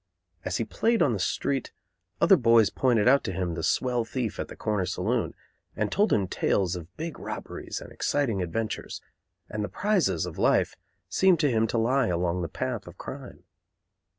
As he played on the street, other boys pointed out to him the swell thief at the corner saloon, and told him tales of big robberies and exciting adventures, and the prizes of life seemed to him to lie along the path of crime.